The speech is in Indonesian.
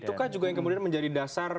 itukah juga yang kemudian menjadi dasar